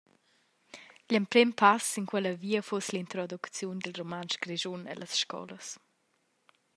Gl’emprem pass sin quella via fuss l’introducziun dil rumantsch grischun ellas scolas.